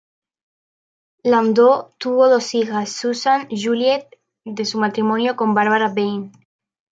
Landau tuvo dos hijas, Susan y Juliet, de su matrimonio con Barbara Bain.